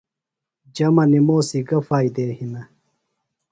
جمہ نِموسی گہ فائدے ہِنہ؟